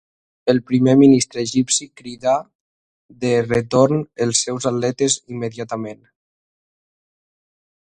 El Primer Ministre egipci cridà de retorn els seus atletes immediatament.